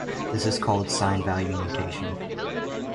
This is called sign-value notation.